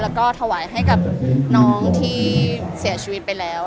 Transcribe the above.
แล้วก็ถวายให้กับน้องที่เสียชีวิตไปแล้ว